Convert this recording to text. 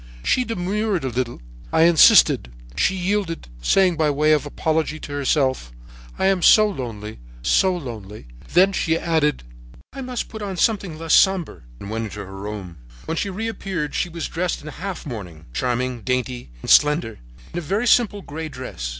"She demurred a little. I insisted. She yielded, saying by way of apology to herself: 'I am so lonely—so lonely.' Then she added: "'I must put on something less sombre, and went into her bedroom. When she reappeared she was dressed in half mourning, charming, dainty and slender in a very simple gray dress.